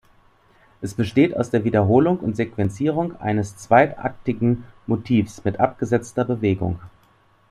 Es besteht aus der Wiederholung und Sequenzierung eines zweitaktigen Motivs mit abgesetzter Bewegung.